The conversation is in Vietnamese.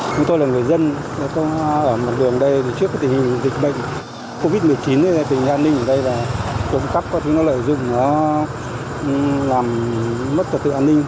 chúng tôi là người dân tôi ở một đường đây trước cái tình hình dịch bệnh covid một mươi chín tình hình an ninh ở đây là công tác có thứ nó lợi dụng nó làm mất tật tự an ninh